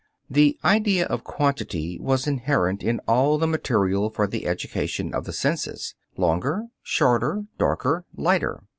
The idea of quantity was inherent in all the material for the education of the senses: longer, shorter, darker, lighter.